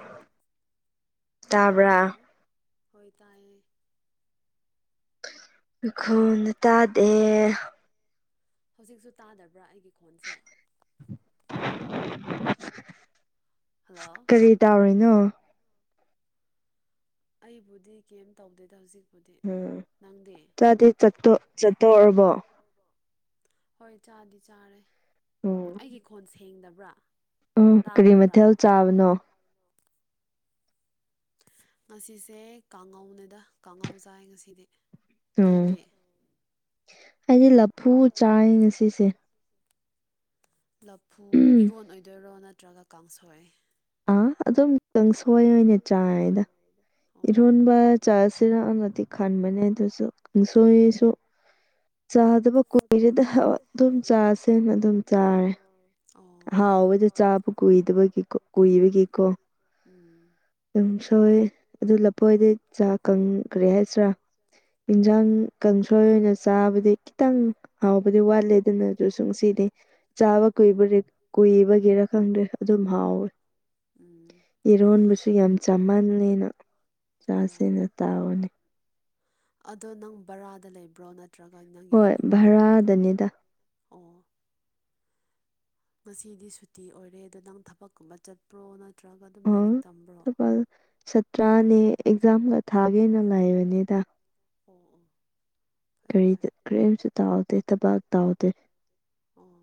ꯑꯣ ꯍꯜꯂꯣ ꯍꯣꯏ ꯇꯥꯏꯌꯦ ꯑꯩꯈꯣꯟꯅ ꯇꯥꯗꯦ ꯍꯧꯖꯤꯛꯁꯨ ꯇꯥꯗꯕ꯭ꯔꯥ ꯑꯩꯒꯤ ꯈꯣꯟꯁꯦ ꯀꯔꯤ ꯇꯥꯎꯔꯤꯅꯣ ꯑꯩꯕꯨꯗꯤ ꯀꯦꯝ ꯇꯧꯗꯦꯗ ꯍꯧꯖꯤꯛ ꯑꯗꯨꯗꯤ ꯅꯪꯗꯤ ꯍꯣꯏ ꯆꯥꯗꯤ ꯆꯥꯔꯦ ꯑꯩꯒꯤ ꯈꯣꯟ ꯁꯦꯡꯗꯕ꯭ꯔꯥ ꯇꯥꯗꯕ꯭ꯔꯥ ꯀꯔꯤ [unintelligible] ꯉꯁꯤꯁꯦ ꯀꯥꯡꯉꯧꯅꯦꯗ ꯀꯥꯡꯉꯧ ꯆꯥꯏ ꯉꯁꯤꯗꯤ ꯅꯪꯗꯦ ꯑꯩꯗꯤ ꯂꯐꯨ ꯆ ꯂꯐꯨ ꯏꯔꯣꯟ ꯑꯣꯏꯗꯣꯏꯔꯣ ꯅꯠꯇ꯭ꯔꯒ ꯀꯥꯡꯁꯣꯏ ꯑꯥ ꯑꯗꯨꯝ ꯇꯪꯁꯣꯏ ꯑꯣꯏꯅ ꯆꯥꯔꯦꯗ ꯏꯔꯣꯟꯕ ꯆꯥꯁꯤꯔ ꯑꯃꯗꯤ ꯈꯟꯕꯅꯦ ꯑꯗꯨꯁꯨ ꯀꯪꯁꯣꯏꯁꯨ ꯆꯥꯗꯕ ꯀꯨꯏꯔꯦꯗ ꯑꯗꯨꯝ ꯆꯥꯁꯦꯅ ꯑꯗꯨꯝ ꯆꯥꯔꯦ ꯍꯥꯎꯕꯗꯣ ꯆꯥꯕ ꯀꯨꯏꯗꯕ ꯀꯨꯏꯕꯒꯤ ꯀꯣ ꯎꯝ ꯀꯪꯁꯣꯏ ꯑꯗꯨ ꯂꯞꯐꯣꯏꯗꯤ ꯆꯥꯛ ꯀꯪ ꯀꯔꯤ ꯍꯥꯏꯁꯤꯔꯥ ꯏꯟꯖꯥꯡ ꯀꯥꯡꯁꯣꯏ ꯑꯣꯏꯅ ꯆꯥꯕꯗꯤ ꯈꯤꯇꯪ ꯍꯥꯎꯕꯗꯤ ꯋꯥꯠꯂꯦ ꯑꯗꯨꯁꯨ ꯉꯁꯤꯗꯤ ꯆꯥꯕ ꯀꯨꯏꯕꯔꯤ ꯀꯨꯏꯕꯒꯤꯔ ꯈꯪꯗꯦ ꯑꯗꯨꯝ ꯍꯥꯎꯋꯦ ꯎꯝ ꯏꯔꯣꯟꯕꯁꯨ ꯌꯥꯝ ꯆꯥꯃꯜꯂꯦꯅ ꯆꯥꯁꯦꯅ ꯇꯥꯎꯕꯅꯤ ꯑꯗꯣ ꯅꯪ ꯕꯔꯥꯗ ꯂꯩꯕ꯭ꯔꯣ ꯅꯠꯇ꯭ꯔꯒ ꯅꯪꯒꯤ ꯏꯃꯨꯡ ꯃꯅꯨꯡꯒ ꯑꯣ ꯉꯁꯤꯗꯤ ꯁꯨꯇꯤ ꯑꯣꯏꯔꯦ ꯑꯗꯣ ꯅꯪ ꯊꯕꯛꯀꯨꯝꯕ ꯆꯠ ꯄ꯭ꯔꯣ ꯅꯠꯇ꯭ꯔꯒ ꯑ ꯊꯕꯛ ꯁꯇ꯭ꯔꯥꯅꯦ ꯑꯦꯛꯖꯥꯝꯒ ꯊꯥꯒꯦꯅ ꯂꯥꯏꯕꯅꯦꯗ ꯑꯣ ꯑꯣ ꯐꯥꯏ ꯐꯥꯏ ꯀ꯭ꯔꯦꯝꯁꯨ ꯇꯥꯎꯗꯦ ꯊꯕꯥꯛ ꯇꯥꯎꯗꯦ ꯑꯣ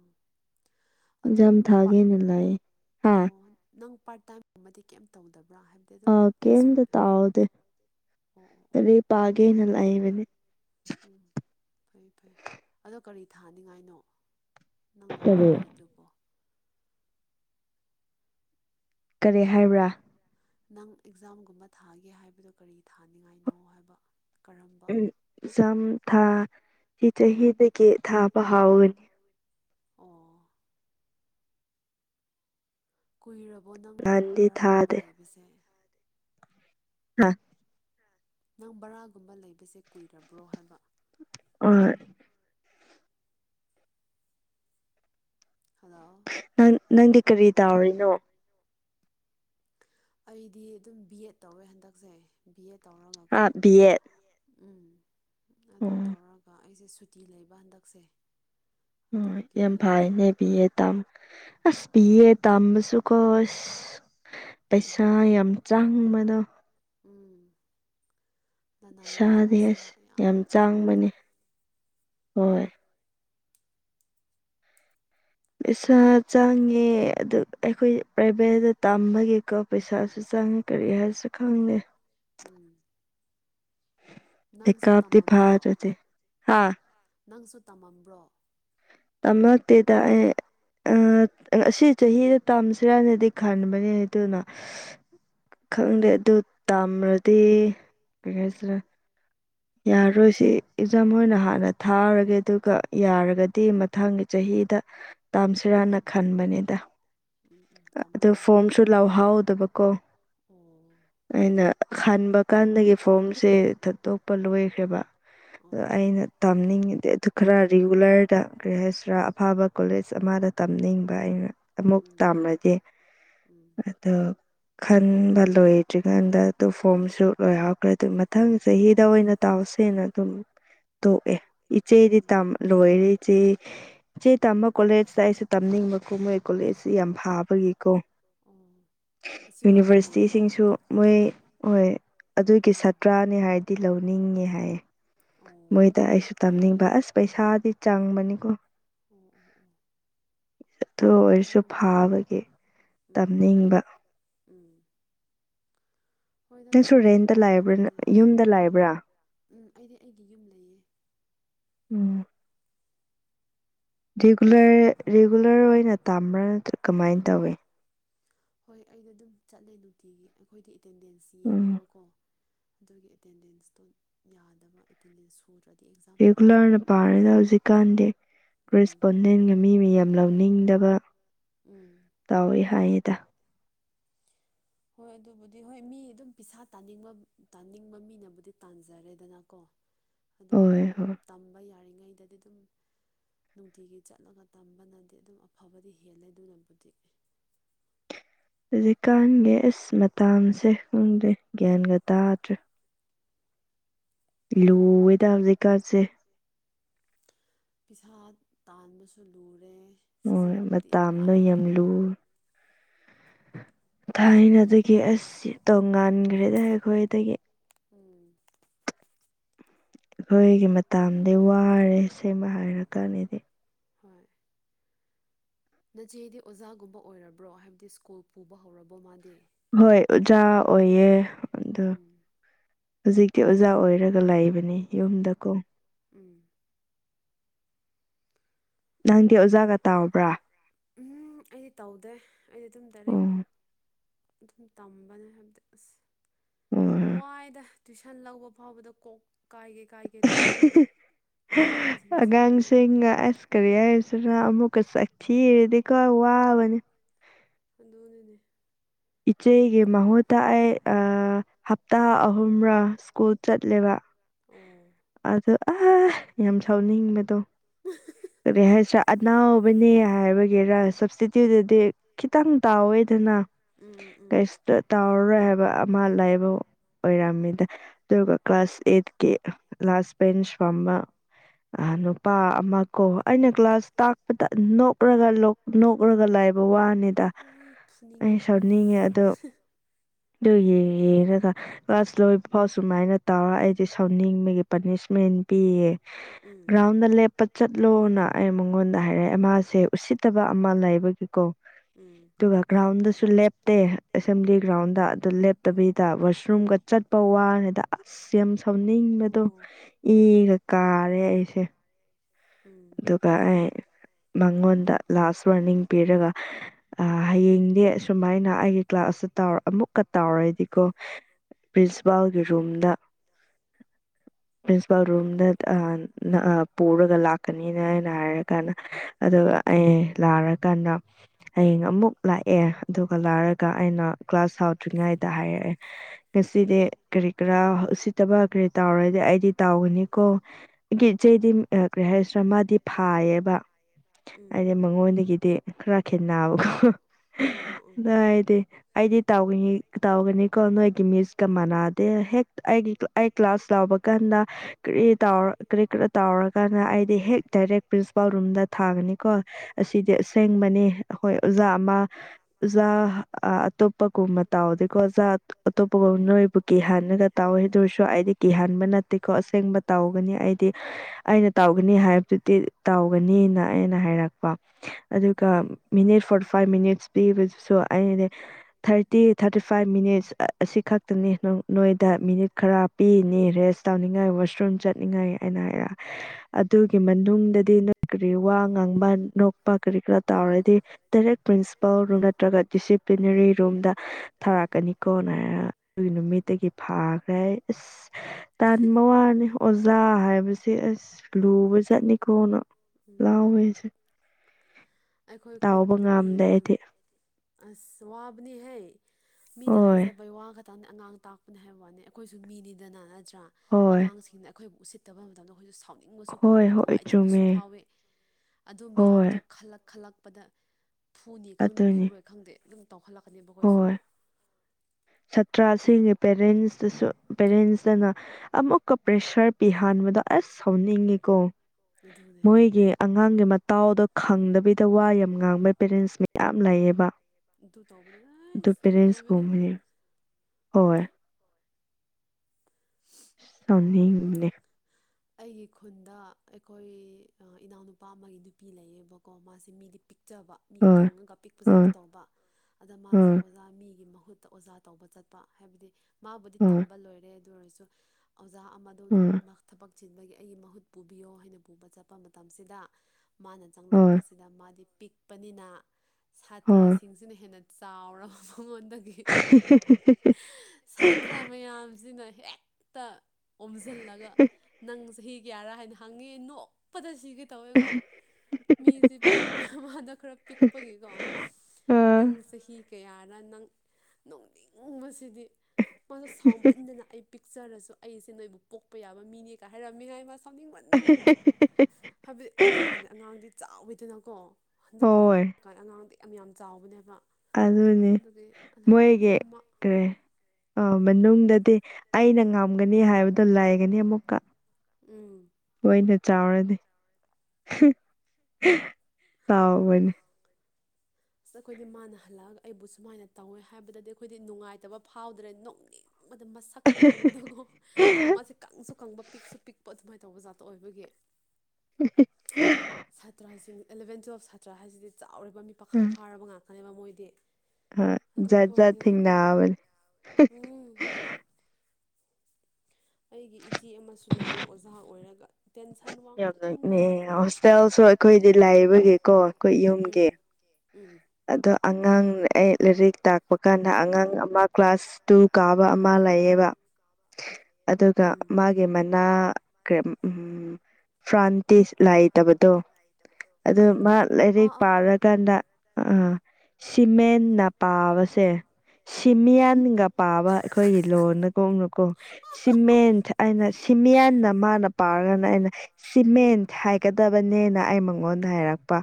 ꯑꯗꯨꯝ ꯄꯥꯔ ꯑꯣ ꯅꯪ ꯄꯥꯔꯠ ꯇꯥꯏꯝ ꯑꯃꯗꯤꯗꯤ ꯀꯩꯝ ꯇꯧꯗꯕ꯭ꯔꯥ ꯍꯥꯏꯕ ꯑ ꯀꯩꯝꯇ ꯇꯥꯎꯑꯣꯗꯦ ꯑ ꯄꯥꯒꯦꯅ ꯂꯥꯛꯏꯕꯅꯦ ꯎꯝ ꯐꯩ ꯐꯩ ꯑꯗꯣ ꯀꯔꯤ ꯊꯥꯅꯤꯡꯉꯥꯏꯅꯣ ꯅꯪꯅ ꯍꯣꯠꯅꯔꯤꯗꯨꯕꯣ ꯀꯔꯤ ꯍꯥꯏꯕ꯭ꯔꯥ ꯅꯪ ꯑꯦꯛꯖꯥꯝꯒꯨꯝꯕ ꯊꯥꯒꯦ ꯍꯥꯏꯕꯗꯨ ꯀꯔꯤ ꯊꯥꯅꯤꯡꯉꯥꯏꯅꯣ ꯍꯥꯏꯕ ꯎ ꯑꯦꯛꯖꯥꯝ ꯊꯥ ꯁꯤ ꯆꯍꯤꯗꯒꯤ ꯊꯥꯕ ꯍꯥꯎꯒꯅꯤ ꯑꯣ ꯀꯨꯏꯔꯕꯣ ꯅꯪ ꯕꯔꯥꯒꯨꯝꯕ ꯂꯩꯕꯁꯦ ꯍꯥ ꯅꯪ ꯕꯔꯥꯒꯨꯝꯕ ꯂꯩꯕꯁꯦ ꯀꯨꯏꯔꯕ꯭ꯔꯣ ꯍꯥꯏꯕ ꯑꯣ ꯅꯪ ꯅꯪꯗꯤ ꯀꯔꯤ ꯇꯥꯎꯔꯤꯅꯣ ꯑꯩꯗꯤ ꯑꯗꯨꯝ ꯕꯤ ꯑꯦꯠ ꯇꯧꯋꯦ ꯍꯟꯗꯛꯁꯦ ꯕꯤ ꯑꯦꯠ ꯇꯧꯔꯒ ꯀꯣ ꯎꯝ ꯑ ꯇꯧꯔꯒ ꯑꯩꯁꯦ ꯁꯨꯇꯤ ꯂꯩꯕ ꯍꯟꯗꯛꯁꯦ ꯎ ꯌꯥꯝ ꯐꯔꯅꯦꯕꯤ ꯑꯁ ꯄꯤꯌꯦ ꯇꯝꯕꯁꯨꯀꯣꯁ ꯄꯩꯁꯥ ꯌꯥꯝ ꯆꯥꯡ ꯑꯃꯗ ꯎꯝ ꯏꯁꯥꯗꯤ ꯑꯁ ꯌꯥꯝ ꯆꯥꯡꯕꯅꯦ ꯍꯣꯏ ꯏꯁꯩꯁꯥ ꯆꯥꯡꯉꯦ ꯑꯗꯨ ꯑꯩꯈꯣꯏ ꯄ꯭ꯔꯥꯏꯚꯦꯠꯇ ꯇꯝꯕꯒꯤꯀꯣ ꯄꯩꯁꯥꯁꯨ ꯆꯪꯉꯤ ꯀꯔꯤ ꯍꯥꯏꯁꯨ ꯈꯪꯗꯦ ꯎꯝ ꯅꯪꯁꯨ ꯇꯝꯃꯝꯕ꯭ꯔꯣ ꯅꯪꯁꯨ ꯇꯝꯃꯝꯕ꯭ꯔꯣ ꯇꯝꯂꯛꯇꯦꯗ ꯑꯩ ꯑ ꯑꯁꯤ ꯆꯍꯤꯗ ꯇꯥꯝꯁꯤꯔꯅꯗꯤ ꯈꯟꯕꯅꯦ ꯑꯗꯨꯅ ꯈꯪꯗꯦ ꯑꯗꯨ ꯇꯝꯔꯗꯤ ꯀꯩ ꯍꯥꯏꯁꯤꯔꯦ ꯌꯥꯔꯔꯣꯏꯁꯤ ꯑꯦꯛꯖꯥꯝ ꯍꯣꯏꯅ ꯍꯥꯟꯅ ꯊꯥꯔꯒꯦ ꯑꯗꯨꯒ ꯌꯥꯔꯒꯗꯤ ꯃꯊꯪꯒꯤ ꯆꯍꯤꯗ ꯇꯥꯝꯁꯤꯔꯥꯅ ꯈꯟꯕꯅꯤꯗ ꯎꯝ ꯎꯝ ꯇꯝꯃꯣ ꯇꯝꯅ ꯐꯣꯟꯁꯨ ꯂꯧꯍꯥꯎ ꯑꯗꯨꯒꯣ ꯑꯩꯅ ꯍꯟꯕ ꯀꯥꯟꯗꯒꯤ ꯐꯣꯔꯝꯁꯦ ꯊꯠꯇꯣꯛ ꯂꯣꯏꯈ꯭ꯔꯦꯕ ꯑꯗꯣ ꯑꯩꯅ ꯇꯝꯅꯤꯡꯉꯤꯗꯤ ꯑꯗꯨ ꯈꯔ ꯔꯤꯒꯨꯂꯔꯗ ꯒ꯭ꯔꯦꯔ ꯑꯐꯥꯕ ꯀꯣꯂꯦꯖ ꯑꯃꯗ ꯇꯝꯅꯤꯡꯕ ꯑꯩꯅ ꯑꯃꯨꯛ ꯇꯥꯝꯅꯒꯦ ꯑ ꯈꯟꯕ ꯂꯣꯏꯗ꯭ꯔꯤꯀꯥꯟꯗ ꯑꯗꯨ ꯐꯣꯝꯁꯨ ꯂꯣꯏꯍꯥꯎꯈ꯭ꯔꯦ ꯑꯗꯨ ꯃꯊꯪ ꯆꯍꯤ ꯁꯤꯗ ꯑꯣꯏꯅ ꯇꯥꯎꯁꯦꯅ ꯑꯗꯨꯝ ꯇꯣꯛꯑꯦ ꯏꯆꯦꯗꯤ ꯇꯝ ꯂꯣꯏꯔꯦ ꯏꯆꯦ ꯏꯆꯦ ꯇꯝꯕ ꯀꯣꯂꯦꯖꯇ ꯑꯩꯁꯨ ꯇꯝꯅꯤꯡꯕ ꯀꯨꯝꯍꯩ ꯀꯣꯂꯦꯖꯁꯤ ꯌꯥꯝ ꯐꯥꯕꯒꯤꯀꯣ ꯌꯨꯅꯤꯚꯔꯁꯤꯇꯤꯁꯤꯡꯁꯨ ꯃꯣꯏ ꯍꯣꯏ ꯑꯗꯨꯒꯤ ꯁꯥꯠꯇ꯭ꯔꯥꯅꯤ ꯍꯥꯏꯔꯗꯤ ꯂꯧꯅꯤꯡꯉꯦ ꯍꯥꯏꯌꯦꯦ ꯃꯣꯏꯗ ꯑꯩꯁꯨ ꯇꯝꯅꯤꯡꯕ ꯑꯁ ꯄꯩꯁꯥꯗꯤ ꯆꯪꯕꯅꯤꯀꯣ ꯑꯗꯨ ꯑꯣꯏꯔꯁꯨ ꯐꯥꯕꯒꯤ ꯇꯝꯅꯤꯡꯕ ꯎꯝ ꯍꯣꯏꯗ ꯇꯥꯝꯊꯣꯛꯄ ꯌꯥꯔꯗꯤ ꯎꯝ ꯑꯩꯗꯤ ꯑꯩꯒꯤ ꯌꯨꯝ ꯂꯩꯌꯦ ꯎꯝ ꯔꯤꯨ ꯔꯤꯒꯨꯂꯔ ꯑꯣꯏꯅ ꯇꯝꯕ꯭ꯔꯥ ꯅꯠꯇ꯭ꯔ ꯀꯃꯥꯏꯅ ꯇꯧꯏꯤ ꯍꯣꯏ ꯑꯩꯗ ꯑꯗꯨꯝ ꯆꯠꯂꯦ ꯅꯨꯡꯇꯤꯒꯤ ꯑꯩꯈꯣꯏꯗꯤ ꯑꯦꯇꯦꯟꯗꯦꯟꯁ ꯌꯦꯡꯉꯦꯕꯀꯣ ꯑꯗꯨꯒꯤ ꯑꯦꯇꯦꯟꯗꯦꯟꯁꯇꯣ ꯌꯥꯗꯕ ꯑꯦꯇꯦꯟꯗꯦꯟꯁ ꯁꯨꯗ꯭ꯔ ꯔꯤꯒꯨꯂꯔꯅ ꯄꯥꯔꯦꯗ ꯍꯧꯖꯤꯛꯀꯥꯟꯗꯤ ꯔꯦꯁꯄꯣꯟꯗꯦꯟ ꯃꯤ ꯃꯤ ꯌꯥꯝ ꯂꯧꯅꯤꯡꯗꯕ ꯎꯝ ꯇꯧꯋꯦ ꯍꯥꯏꯌꯦꯗ ꯍꯣꯏ ꯑꯗꯨꯕꯨꯗꯤ ꯍꯣꯏ ꯃꯤ ꯑꯗꯨꯝ ꯄꯩꯁꯥ ꯇꯥꯅꯤꯡꯕ ꯇꯥꯅꯤꯡꯕ ꯃꯤꯅꯕꯨꯗꯤ ꯇꯥꯟꯖꯔꯦꯗꯅ ꯀꯣ [inaudible] ꯑꯗꯨꯕꯨ ꯑꯗꯨꯝ ꯇꯝꯕ ꯌꯥꯔꯤꯉꯩꯗꯗꯤ ꯑꯗꯨꯝ ꯅꯨꯡꯇꯤꯒꯤ ꯆꯠꯂꯒ ꯇꯝꯕꯅꯗꯤ ꯑꯗꯨꯝ ꯑꯐꯕꯗꯤ ꯍꯦꯜꯂꯦ ꯑꯗꯨꯅꯕꯨꯗꯤ ꯍꯧꯖꯤꯛꯀꯥꯟꯒꯤ ꯑꯁ ꯃꯇꯥꯁꯦ ꯈꯪꯗꯦ ꯒ꯭ꯌꯥꯟꯒ ꯇꯥꯗ꯭ꯔꯦ ꯂꯨꯑꯦ ꯇꯥꯕꯖꯤꯩ ꯀꯔꯁꯦ ꯄꯤꯁꯥ ꯇꯥꯟꯕꯁꯨ ꯂꯨꯔꯦ ꯍꯣꯏ ꯃꯇꯝꯗꯣ ꯌꯥꯝ ꯂꯨ ꯊꯥꯏꯅꯗꯒꯤ ꯑꯁꯤꯁ ꯇꯣꯉꯥꯟꯈ꯭ꯔꯦꯗ ꯑꯩꯈꯣꯏꯗꯒꯤ ꯎꯝ ꯑꯩꯈꯣꯏꯒꯤ ꯃꯇꯝꯗꯤ ꯋꯥꯔꯦ ꯑꯁꯦꯡꯕ ꯍꯥꯏꯔꯀꯅꯤꯗꯤ ꯍꯣꯏ ꯅꯆꯦꯗꯤ ꯑꯣꯖꯥꯒꯨꯝꯕ ꯑꯣꯏꯔꯕ꯭ꯔꯣ ꯍꯥꯏꯕꯗꯤ ꯁ꯭ꯀꯨꯜ ꯄꯨꯕ ꯍꯧꯔꯕꯣ ꯃꯥꯗꯦ ꯍꯣꯏ ꯑꯣꯖꯥ ꯑꯣꯏꯌꯦ ꯑꯗꯣ ꯍꯧꯖꯤꯛꯇꯤ ꯑꯣꯖꯥ ꯑꯣꯏꯔꯒ ꯂꯩꯥꯛꯕꯅꯤ ꯌꯨꯝꯗ ꯀꯣ ꯎꯝ ꯅꯪꯗꯤ ꯑꯣꯖꯥꯒ ꯇꯧꯕ꯭ꯔꯥ ꯎꯝ ꯑꯩꯗꯤ ꯇꯧꯗꯦ ꯑꯩꯗꯤ ꯑꯗꯨꯝ ꯗꯥꯏꯔꯦꯛ ꯑꯗꯨꯝ ꯇꯝꯕꯅꯦ ꯍꯥꯏꯕꯗꯤ ꯑꯁ ꯋꯥꯏꯗ ꯇꯨꯏꯁꯟ ꯂꯧꯕ ꯐꯥꯎꯕꯗ ꯀꯣꯛ ꯀꯥꯏꯒꯦ ꯀꯥꯏꯒꯦ ꯇꯧꯋꯦ ꯑꯉꯥꯡꯁꯤꯡ ꯁꯦꯅꯕꯗ ꯀ ꯌꯥꯏꯁꯔ ꯑꯃꯨꯛꯀ ꯁꯈꯤꯤ ꯑꯗꯨꯅꯤꯅ ꯏꯆꯦꯒꯤ ꯃꯍꯨꯠꯇ ꯑꯩ ꯍꯞꯇꯥ ꯑꯍꯨꯝꯔꯥ ꯁ꯭ꯀꯨꯜ ꯆꯠꯂꯦꯕ ꯑꯣ ꯑ ꯑ ꯌꯥꯝ ꯁꯥꯎꯅꯤꯡꯕꯗꯣ [unintelligible] ꯀꯔꯤ ꯍꯥꯏꯁꯦ ꯑꯅꯥꯎꯕꯅꯦ ꯍꯥꯏꯕꯒꯦꯔꯤ ꯑꯗꯨꯗꯤ ꯈꯤꯇꯪ ꯇꯥꯎꯋꯦ ꯑꯗꯨ ꯎꯝ ꯎꯝ ꯇꯥꯎꯔꯔꯣꯏ ꯍꯥꯏꯕ ꯑꯃ ꯂꯥꯏꯕ ꯑꯣꯏꯔꯝꯃꯤꯗ ꯑꯗꯨꯒ ꯀ꯭ꯂꯥꯁ ꯑꯩꯠꯀꯤ ꯂꯥꯁ ꯕꯦꯟꯁ ꯋꯥꯝꯕ ꯅꯨꯄꯥ ꯀꯣ ꯑꯩꯅ ꯀ꯭ꯂꯥꯁ ꯇꯥꯛꯄꯗ ꯅꯣꯛꯂꯒ ꯅꯣꯛꯂꯒ ꯂꯥꯏꯕ ꯋꯥꯅꯤꯗ ꯑꯩ ꯁꯥꯎꯅꯤꯡꯉꯦ ꯑꯗꯣ ꯑꯗꯨ ꯌꯦꯔꯒ ꯀ꯭ꯂꯥꯁ ꯂꯣꯏꯕ ꯐꯥꯎ ꯁꯨꯃꯥꯏꯅ ꯇꯧꯔ ꯑꯩꯗꯤ ꯁꯥꯎꯅꯤꯡꯕꯒꯤ ꯄꯥꯅꯤꯁꯃꯦꯟ ꯄꯤꯌꯦ ꯒ꯭ꯔꯥꯎꯟꯗ ꯂꯦꯞꯄ ꯆꯠꯂꯣꯅ ꯑꯩ ꯃꯉꯣꯟꯗ ꯍꯥꯏꯔꯛꯑꯦ ꯃꯥꯁꯦ ꯎꯁꯤꯠꯇꯕ ꯑꯃ ꯂꯩꯕꯒꯤꯀꯣ ꯑꯗꯨꯒ ꯒ꯭ꯔꯥꯎꯟꯗꯁꯨ ꯂꯦꯞꯇꯦ ꯑꯦꯁꯦꯝꯕ꯭ꯂꯤ ꯒ꯭ꯔꯥꯎꯟꯗ ꯑꯗꯨ ꯂꯦꯞꯇꯕꯤꯗ ꯋꯥꯁꯔꯨꯝꯒ ꯆꯠꯄ ꯋꯥꯉꯗ ꯑꯁ ꯌꯥꯝ ꯁꯥꯎꯅꯤꯡꯕꯗꯣ ꯏꯒ ꯀꯥꯔꯦ ꯑꯩꯁꯦ ꯑꯗꯨꯒ ꯑꯩ ꯃꯉꯣꯟꯗ ꯂꯥꯁ ꯋꯥꯔꯅꯤꯡ ꯄꯤꯔꯒ ꯑ ꯍꯌꯦꯡꯗꯤ ꯁꯨꯃꯥꯏꯅ ꯑꯩꯒꯤ ꯀ꯭ꯂꯥꯁꯇ ꯇ ꯑꯃꯨꯛꯀ ꯇꯥꯎꯔꯗꯤꯀꯣ ꯄ꯭ꯔꯤꯟꯁꯤꯄꯥꯜꯒꯤ ꯔꯨꯝꯗ ꯄ꯭ꯔꯤꯟꯁꯤꯄꯥꯜ ꯔꯨꯝꯗ ꯄꯨꯔꯒ ꯂ ꯆꯅꯤꯅ ꯑꯩꯅ ꯍꯥꯏꯔꯀꯥꯟꯗ ꯑꯗꯨꯒ ꯑꯩ ꯂꯥꯛꯔꯀꯥꯟꯗ ꯍꯌꯦꯡ ꯑꯃꯨꯛ ꯂꯥꯛꯑꯦ ꯑꯗꯨꯒ ꯂꯥꯛꯔꯒ ꯑꯩꯅ ꯀ꯭ꯂꯥꯁ ꯊꯥꯎꯗ꯭ꯔꯤꯉꯩꯗ ꯍꯥꯏꯔꯛꯑꯦ ꯉꯁꯤꯗꯤ ꯀꯔꯤ ꯀꯔꯥ ꯎꯁꯤꯠꯇꯕ ꯀꯔꯤ ꯇꯧꯔꯗꯤ ꯇꯥꯎꯒꯅꯤ ꯀꯣ ꯑꯩꯒꯤ ꯏꯆꯦꯗꯤ ꯀ ꯍꯥꯏ ꯇꯔꯃꯥꯗꯤ ꯐꯥꯏꯌꯦꯕ ꯍꯥꯏꯗꯤ ꯃꯉꯣꯟꯗꯒꯤꯗꯤ ꯔꯈꯤꯦꯅ ꯑꯕꯨꯏꯗꯤ ꯑꯩꯗꯤ ꯇꯧꯒꯅꯤ ꯇꯧꯒꯅꯤꯀꯣ ꯅꯣꯏꯒꯤ ꯃꯤꯁꯀ ꯃꯅꯥꯗꯦ ꯍꯦꯛ ꯑꯩꯒꯤ ꯑꯩ ꯀ꯭ꯂꯥꯁ ꯂꯥꯎꯕ ꯀꯥꯟꯗ ꯀꯔꯤ ꯇ ꯀꯔꯤ ꯀꯔ ꯇꯧꯔꯀꯥꯟꯗ ꯑꯩ ꯑ ꯍꯦꯛ ꯗꯥꯏꯔꯦꯛ ꯄ꯭ꯔꯤꯟꯁꯤꯄꯥꯜ ꯔꯨꯝꯗ ꯊꯥꯒꯅꯤꯀꯣ ꯑꯁꯤꯗꯤ ꯑꯁꯦꯡꯕꯅꯤ ꯑꯩꯈꯣꯏ ꯑꯣꯖꯥ ꯑꯃ ꯑꯣꯖꯥ ꯑꯇꯣꯞꯄꯒꯨꯝꯕ ꯇꯥꯎꯔꯗꯤꯀꯣ ꯑꯣꯖꯥ ꯑꯇꯣꯞꯄꯒ ꯅꯣꯏꯕꯨ ꯀꯤꯍꯥꯟꯂꯒ ꯇꯥꯎꯋꯦ ꯑꯗꯨ ꯑꯣꯏꯔꯁꯨ ꯑꯩꯗꯤ ꯀꯤꯍꯟꯕ ꯅꯠꯇꯦꯀꯣ ꯑꯁꯦꯡꯕ ꯇꯥꯎꯒꯅꯤ ꯑꯩꯗꯤ ꯑꯩꯅ ꯇꯥꯎ ꯅꯤ ꯍꯥꯏꯕꯗꯨ ꯇꯧꯒꯅꯤꯅ ꯑꯩꯅ ꯍꯥꯏꯔꯛꯄ ꯑꯗꯨꯒ ꯃꯤꯅꯤꯠ ꯐꯣꯔ ꯐꯥꯏꯚ ꯃꯤꯅꯤꯠꯁ ꯄꯤꯕꯗꯨꯁꯨ ꯑꯩꯅꯦ ꯊꯥꯔꯇꯤ ꯊꯥꯔꯇꯤ ꯐꯥꯏꯚ ꯃꯤꯅꯤꯠꯁ ꯑꯁꯤ ꯈꯛꯇꯅꯤ ꯅꯣꯏꯗ ꯃꯤꯅꯤꯠ ꯈꯔ ꯄꯤꯅꯤ ꯔꯦꯁ ꯇꯧꯅꯤꯡꯉꯥꯏ ꯋꯥꯁꯔꯨꯝ ꯆꯠꯅꯤꯡꯉꯥꯏ ꯑꯩꯅ ꯑꯗꯨꯒꯤ ꯃꯅꯨꯡꯗꯗꯤ ꯅ ꯀꯔꯤ ꯋꯥ ꯉꯥꯡꯕ ꯅꯣꯛꯄ ꯀꯔꯤ ꯀꯔꯥ ꯇꯧꯔꯗꯤ ꯗꯥꯏꯔꯦꯛ ꯄ꯭ꯔꯤꯟꯁꯤꯄꯥꯜ ꯔꯨꯝ ꯅꯠꯇ꯭ꯔꯒ ꯗꯤꯁꯤꯄ꯭ꯂꯤꯅꯔꯤ ꯔꯨꯝꯗ ꯊꯥꯔꯛꯀꯅꯤꯀꯣꯅ ꯍꯥꯏꯔ ꯑꯗꯨꯒꯤ ꯅꯨꯃꯤꯠꯇꯒꯤ ꯐꯥꯈ꯭ꯔꯦ ꯑꯁ ꯇꯥꯟꯕꯥꯟꯕ ꯋꯥꯅꯤ ꯑꯣꯖꯥ ꯍꯥꯏꯕꯁꯦ ꯑꯁ ꯂꯨꯕ ꯆꯠꯅꯤꯀꯣꯅ ꯂꯥꯎꯋꯦꯁꯦ ꯑꯩꯈꯣꯏ ꯈꯨꯟꯗ ꯅꯨꯄꯤ ꯑꯃ ꯂꯩ ꯑꯁ ꯋꯥꯕꯅꯦꯍꯦ ꯃꯤꯅ ꯍꯥꯏꯖꯕꯩ ꯋꯥ ꯈ ꯇꯅ ꯑꯉꯥꯡ ꯇꯥꯛꯄꯅꯦ ꯍꯥꯏꯕ ꯋꯥꯅꯤ ꯑꯩꯈꯣꯏꯁꯨ ꯃꯤꯅꯤꯗꯅ ꯅꯠꯇ꯭ꯔꯥ ꯑꯉꯥꯡꯁꯤꯡꯅ ꯑꯩꯈꯣꯏꯕꯨ ꯎꯁꯤꯠ ꯂꯩꯇꯕ ꯃꯇꯝꯗ ꯑꯩꯈꯣꯏꯁꯨ ꯁꯥꯎꯅꯤꯡꯕꯁꯨ ꯐꯥꯎꯋꯦ ꯅꯨꯡꯉꯥꯏꯇꯕꯁꯨ ꯐꯥꯎꯋꯦ ꯑꯗꯨꯗ ꯃꯌꯥꯝꯗꯣ ꯈꯜꯂꯛ ꯈꯜꯂꯛꯄꯗ ꯐꯨꯅꯤ ꯈꯪꯗꯦ ꯐꯨꯔꯣꯏ ꯈꯪꯗꯦ ꯑꯗꯨꯝ ꯇꯧꯈꯠꯂꯛꯀꯅꯤꯕ ꯈꯣꯏꯁꯨ ꯁꯥꯇ꯭ꯔꯁꯤꯡꯒꯤ ꯄꯦꯔꯦꯟꯁꯇꯁꯨ ꯄꯦꯔꯦꯟꯁꯇꯅ ꯑꯃꯨꯛꯀ ꯄ꯭ꯔꯦꯁꯔ ꯄꯤꯍꯟꯕꯗꯣ ꯑꯁ ꯁꯥꯎꯅꯤꯡꯉꯤꯀꯣ ꯃꯣꯏꯒꯤ ꯑꯉꯥꯡꯒꯤ ꯃꯇꯥꯎꯗꯣ ꯈꯪꯗꯕꯤꯗ ꯋꯥ ꯌꯥꯝ ꯉꯥꯡꯕ ꯄꯦꯔꯦꯟꯁ ꯃꯌꯥꯝ ꯂꯩꯌꯦꯕ ꯑꯗꯨ ꯇꯧꯕꯗꯅꯦ ꯑꯁ ꯌꯥꯝ ꯂꯩꯕꯅꯦ ꯍꯣꯏ ꯑꯅꯤꯡꯕꯅꯦ ꯑꯩꯒꯤ ꯈꯨꯟꯗ ꯑꯩꯈꯣꯏ ꯏꯅꯥꯎꯅꯨꯄꯥ ꯑꯃꯒꯤ ꯅꯨꯄꯤ ꯂꯩꯌꯦꯕꯀꯣ ꯃꯥꯁꯦ ꯃꯤꯗꯤ ꯄꯤꯛꯆꯕ ꯃꯤ ꯀꯪꯉꯒ ꯄꯤꯛ ꯄꯨꯖꯥꯇ ꯇꯧꯕ ꯑꯗ ꯃꯥꯁꯦ ꯑꯣꯖꯥ ꯃꯤꯒꯤ ꯃꯍꯨꯠꯇ ꯑꯣꯖꯥ ꯇꯧꯕ ꯆꯠꯄ ꯍꯥꯏꯕꯗꯤ ꯃꯥꯕꯨꯗꯤ ꯇꯝꯕ ꯂꯣꯏꯔꯦ ꯑꯗꯨ ꯑꯣꯏꯔꯁꯨ ꯑꯣꯖꯥ ꯑꯃꯗꯣ ꯊꯕꯛ ꯆꯤꯟꯕꯒꯤ ꯑꯩꯒꯤ ꯃꯍꯨꯠ ꯄꯨꯕꯤꯌꯣ ꯍꯥꯏꯅ ꯄꯨꯕ ꯆꯠꯄ ꯃꯇꯝꯁꯤꯗ ꯃꯥꯅ ꯆꯪꯂꯛꯄꯁ ꯁꯤꯗ ꯃꯥꯗꯤ ꯄꯤꯛꯄꯅꯤꯅ ꯁꯥꯇ꯭ꯔꯁꯤꯡꯁꯤꯅ ꯍꯦꯟꯅ ꯆꯥꯎꯔꯕ ꯃꯉꯣꯟꯗꯒꯤ ꯁꯥꯇ꯭ꯔ ꯃꯌꯥꯝ ꯁꯤꯅ ꯍꯦꯛꯇ ꯑꯣꯝꯁꯤꯜꯂꯒ ꯎꯝ ꯅꯪ ꯆꯍꯤ ꯀꯌꯥꯔꯥ ꯍꯥꯏꯅ ꯍꯪꯉꯦ ꯅꯣꯛꯞꯄꯗ ꯁꯤ ꯀꯩ ꯇꯧꯋꯦꯈꯣ ꯃꯤꯁꯦ ꯄꯤꯛꯄ ꯃꯥꯗ ꯈꯔ ꯄꯤꯛꯄꯒꯤꯀꯣ ꯅꯪ ꯆꯍꯤ ꯀꯌꯥꯔ ꯅꯪ ꯅꯣꯡꯅꯤꯡꯕꯁꯤꯗꯤ ꯃꯥꯁꯨ ꯁꯥꯎꯃꯟꯗꯅ ꯑꯩ ꯄꯤꯛꯆꯔꯁꯨ ꯑꯩꯁꯦ ꯅꯣꯏꯕꯨ ꯄꯣꯛꯄ ꯌꯥꯕ ꯃꯤꯅꯦꯒ ꯍꯥꯏꯔꯝꯃꯤ ꯍꯥꯏꯕ ꯃꯥꯁ ꯐꯝꯅꯤꯡꯕꯟ ꯑꯣꯏꯉ ꯍꯥꯏꯕꯗꯤ ꯍꯟꯗꯛꯀꯥꯟꯗꯤ ꯑꯉꯥꯡꯗꯤ ꯆꯥꯎꯋꯤꯗꯅꯀꯣ ꯍꯟꯗꯛꯀꯥꯟ ꯍꯟꯗꯛꯀꯥꯟ ꯑꯉꯥꯡ ꯌꯥꯝ ꯌꯥꯝ ꯆꯥꯎꯕꯅꯦꯕ ꯑꯗꯨꯅꯤ ꯃꯣꯏꯒꯤ ꯀꯦ ꯑ ꯃꯅꯨꯡꯗꯗꯤ ꯑꯩꯅ ꯉꯝꯒꯅꯤ ꯍꯥꯏꯕꯗꯣ ꯂꯥꯏꯒꯅꯤ ꯑꯃꯨꯛꯀ ꯎꯝ ꯂꯣꯏꯅ ꯆꯥꯎꯔꯗꯤ ꯇꯥꯎꯕꯅꯤ ꯑ ꯑꯩꯈꯣꯏꯗꯤ ꯃꯥꯅ ꯍꯜꯂꯛꯑꯒ ꯑꯩꯕꯨ ꯁꯨꯃꯥꯏꯅ ꯇꯧꯋꯦ ꯍꯥꯏꯕꯗꯗꯤ ꯑꯩꯈꯣꯏꯗꯤ ꯅꯨꯡꯉꯥꯏꯇꯕ ꯐꯥꯎꯗ꯭ꯔꯦ ꯅꯨꯡꯅꯤꯡ ꯑꯗꯨ ꯃꯁꯛ ꯊꯛꯇ ꯎꯕꯗꯀꯣ ꯃꯥꯁꯦ ꯀꯪꯁꯨ ꯀꯪꯕ ꯄꯤꯛꯁꯨ ꯄꯤꯛꯄ ꯑꯗꯨꯃꯥꯏꯅ ꯇꯧꯕ ꯖꯥꯠꯇꯣ ꯑꯣꯏꯕꯒꯤ ꯁꯥꯇ꯭ꯔꯁꯤ ꯑꯦꯂꯚꯦꯟ ꯇꯨꯋꯜꯞ ꯁꯥꯇ꯭ꯔ ꯍꯥꯏꯁꯤꯗꯤ ꯆꯥꯎꯔꯤꯕ ꯃꯤ ꯄꯥꯈꯪ ꯐꯥꯔꯕ ꯉꯥꯛꯇ ꯈꯪꯉꯦꯕ ꯃꯣꯏꯗꯤ ꯑꯗꯨ ꯈꯣꯏꯗꯅ ꯎꯝ ꯑꯩꯒꯤ ꯏꯆꯦ ꯑꯃꯁꯨ ꯂꯩ ꯑꯣꯖꯥ ꯑꯣꯏꯔꯒ ꯇꯦꯟꯁꯟ ꯋꯥꯡꯃꯟꯕꯒꯤ ꯍꯁꯇꯦꯜ ꯑꯩꯈꯣꯏꯗꯤ ꯂꯩꯕꯒꯤꯀꯣ ꯎꯝ ꯎꯝ ꯑꯗꯣ ꯑꯉꯥꯡ ꯑꯩ ꯂꯥꯏꯔꯤꯛ ꯇꯥꯛꯄ ꯀꯥꯟꯗ ꯑꯉꯥꯡ ꯑꯃ ꯀ꯭ꯂꯥꯁ ꯇꯨ ꯀꯥꯕ ꯑꯃ ꯂꯩꯌꯦꯕ ꯑꯗꯨꯒ ꯃꯥꯒꯤ ꯃꯅꯥ ꯐ꯭ꯔꯥꯟꯇꯤꯁ ꯂꯩꯇꯕꯗꯣ ꯑ ꯃꯥ ꯂꯥꯏꯔꯤꯛ ꯄꯥꯔꯀꯥꯟꯗ ꯑ ꯑꯥ ꯁꯤꯃꯦꯟꯅ ꯄꯥꯕꯁꯦ꯫ ꯁꯤꯃꯤꯌꯥꯟꯒ ꯄꯥꯕ ꯑꯩꯈꯣꯏꯒꯤ ꯂꯣꯟꯅ ꯀꯣꯡꯅꯀꯣ ꯁꯤꯃꯦꯟꯠ ꯑꯩꯅ ꯁꯤꯃꯦꯟꯅ ꯃꯥꯅ ꯄꯥꯔꯒꯅ ꯑꯩꯅ ꯁꯤꯃꯦꯟꯠ ꯍꯥꯏꯒꯗꯕꯅꯦꯅ ꯑꯩ ꯃꯉꯣꯟꯗ ꯍꯥꯏꯔꯛꯄ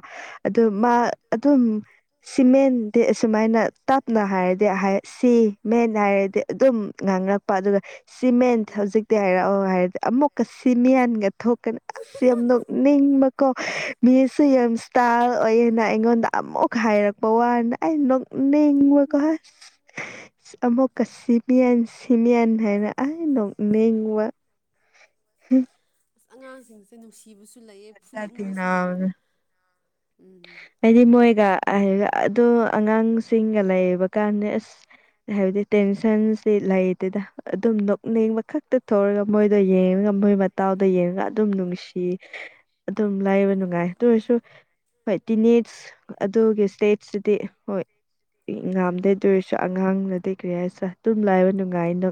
ꯑꯗꯨ ꯃꯥ ꯑꯗꯨꯝ ꯁꯤꯃꯦꯟꯗꯤ ꯑꯁꯨꯃꯥꯏꯅ ꯇꯞꯅ ꯍꯥꯏꯔꯗꯤ ꯁꯤ ꯃꯦꯟ ꯍꯥꯏꯔꯗꯤ ꯑꯗꯨꯝ ꯉꯥꯡꯉꯛꯄ ꯑꯗꯨꯒ ꯁꯤꯃꯦꯟ ꯍꯧꯖꯤꯛꯇꯤ ꯍꯥꯏꯔꯛꯑꯣ ꯍꯥꯏꯔꯗꯤ ꯑꯃꯨꯛꯀ ꯁꯤꯃꯦꯟꯒ ꯊꯣꯛꯀꯅꯤ꯫ ꯑꯁ ꯌꯥꯝ ꯅꯣꯛꯅꯤꯡꯕꯀꯣ ꯃꯤꯁꯁꯨ ꯌꯥꯝ ꯏꯁꯇꯥꯏꯜ ꯑꯣꯏꯌꯦꯅ ꯑꯩꯉꯣꯟꯗ ꯑꯃꯨꯛ ꯈꯥꯏꯔꯛꯄ ꯋꯥꯅꯤ ꯑꯩ ꯅꯣꯛꯅꯤꯡꯕꯀꯣ ꯍꯁ ꯑꯃꯨꯛ ꯀꯁꯤ ꯃꯤꯌꯥꯟ ꯁꯤ ꯃꯤꯌꯥꯟ ꯍꯥꯏꯅ ꯑ ꯅꯣꯡ ꯅꯉꯨ ꯑꯁ ꯑꯉꯥꯡꯁꯤꯡꯁꯦ ꯅꯨꯡꯁꯤꯕꯁꯨ ꯂꯩꯌꯦ ꯐꯨꯅꯤꯡꯕꯁꯨ ꯂꯩꯌꯦ ꯎꯝ ꯑꯩꯗꯤ ꯃꯣꯏꯒ ꯑꯣ ꯑꯉꯥꯡꯁꯤꯡꯒ ꯂꯩꯕ ꯀꯥꯟꯗ ꯑꯁ ꯍꯥꯏꯕꯗꯤ ꯇꯦꯟꯁꯟꯁꯤ ꯂꯩꯗꯗ ꯑꯗꯨꯝ ꯅꯣꯛꯅꯤꯡꯕ ꯈꯛ ꯍꯛꯇ ꯊꯧꯔꯒ ꯃꯣꯏꯗ ꯌꯦꯡꯉꯒ ꯃꯣꯏ ꯃꯇꯥꯎꯗ ꯌꯦꯡꯉꯒ ꯑꯗꯨꯝ ꯅꯨꯡꯁꯤ ꯑꯗꯨꯝ ꯂꯩꯌꯦꯕ ꯅꯨꯡꯉꯥꯏ ꯑꯗꯨ ꯑꯣꯏꯔꯁꯨ ꯍꯣꯏ ꯇꯤꯅꯦꯠꯁ ꯑꯗꯨꯒꯤ ꯁꯇꯦꯠꯁꯤꯗꯤ ꯍꯣꯏ ꯉꯥꯝꯗꯩꯗ ꯑꯣꯏꯔꯁꯨ ꯑꯉꯥꯡꯅꯗꯤꯩ ꯀꯔꯤ ꯍꯥꯏꯔꯁꯨ ꯑꯗꯨꯝ ꯂꯥꯏꯕ ꯅꯨꯡꯉꯥꯏꯅ